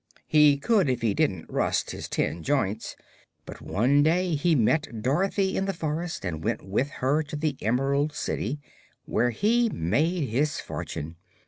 "He could if he didn't rust his tin joints. But one day he met Dorothy in the forest and went with her to the Emerald City, where he made his fortune.